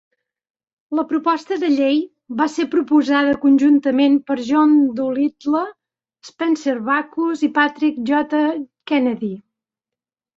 La proposta de llei va ser proposada conjuntament per John Doolittle, Spencer Bachus i Patrick J. Kennedy.